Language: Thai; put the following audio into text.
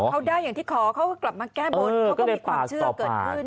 เขาได้อย่างที่ขอเขาก็กลับมาแก้บนเขาก็มีความเชื่อเกิดขึ้น